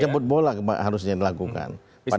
jemput bola harusnya dilakukan